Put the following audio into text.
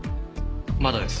まだです。